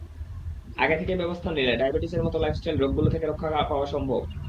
আগে থেকে ব্যবস্থা নিলে ডায়াবেটিসের মতো লাইফস্টাইল রোগগুলো থেকে রক্ষা পাওয়া সম্ভব।